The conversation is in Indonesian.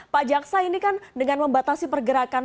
pak jaksa ini kan dengan membatasi pergerakan